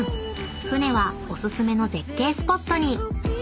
［船はおすすめの絶景スポットに］